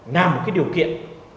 là một cái điều kiện